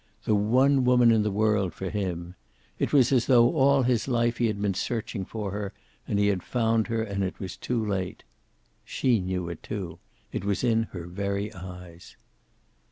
The one woman in the world for him. It was as though all his life he had been searching for her, and he had found her, and it was too late. She knew it, too. It was in her very eyes.